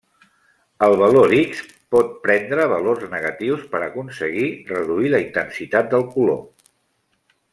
El valor x pot prendre valors negatius per a aconseguir reduir la intensitat del color.